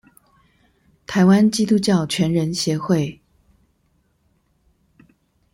臺灣基督教全人協會